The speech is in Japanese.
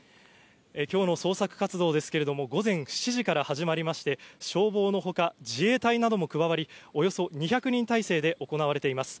きょうの捜索活動ですけれども午前７時から始まりまして、消防の他、自衛隊なども加わり、およそ２００人態勢で行われています。